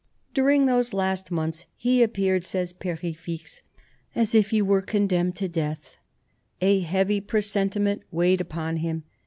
During those last months he appeared, says Perefixe, " as if he were con demned to death." A heavy presentiment weighed upon him.